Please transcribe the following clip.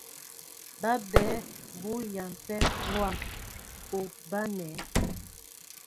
Bǎ mbɛ́ɛ́ bú yampɛ bwâm, ú báŋɛ́ɛ̄.